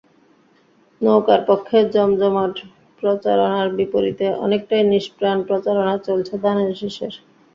নৌকার পক্ষে জমজমাট প্রচারণার বিপরীতে অনেকটাই নিষ্প্রাণ প্রচারণা চলছে ধানের শীষের।